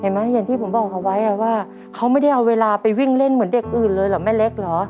อย่างที่ผมบอกเอาไว้ว่าเขาไม่ได้เอาเวลาไปวิ่งเล่นเหมือนเด็กอื่นเลยเหรอแม่เล็กเหรอ